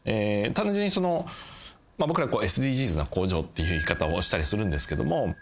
単純に僕らＳＤＧｓな工場っていう言い方をしたりするんですけども。